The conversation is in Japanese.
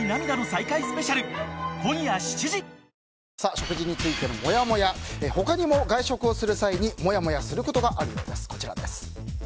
食事についてのモヤモヤ他にも外食をする際にモヤモヤすることがあるようです。